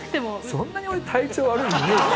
そんなに俺体調悪いイメージ？